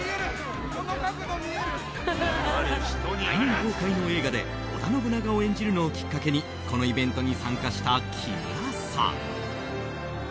来年公開の映画で織田信長を演じるのをきっかけに、このイベントに参加した木村さん。